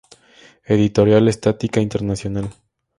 Editorial Estática Internacional.